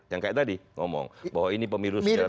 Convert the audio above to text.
yang kayak tadi ngomong bahwa ini pemiru secara terburuk